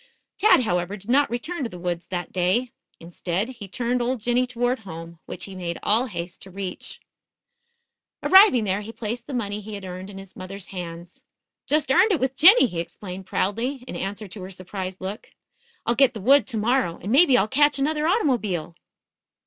Tad, however, did not return to the woods that day. Instead, he turned old Jinny toward home, which he made all haste to reach. Arriving there he placed the money he had earned in his mother's hands. "Just earned it with Jinny," he explained proudly, in answer to her surprised look. "I'll get the wood to morrow, and maybe I'll catch another automobile."